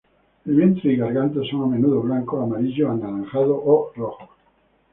El vientre y garganta son a menudo blancos, amarillos, anaranjados o rojos.